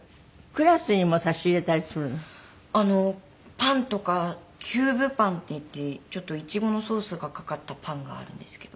パンとかキューブパンっていってちょっとイチゴのソースがかかったパンがあるんですけど。